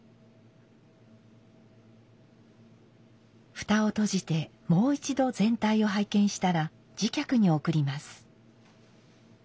蓋を閉じてもう一度全体を拝見したら次客に送ります。